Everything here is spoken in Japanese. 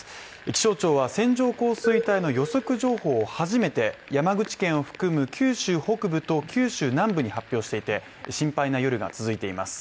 気象庁は線状降水帯の予測情報を初めて山口県を含む九州北部と九州南部に発表していて、心配な夜が続いています。